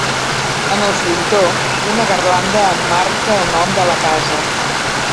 En el frontó, una garlanda emmarca el nom de la casa.